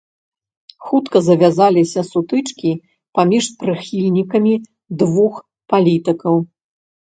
Хутка завязаліся сутычкі паміж прыхільнікамі двух палітыкаў.